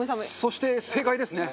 そして正解ですね。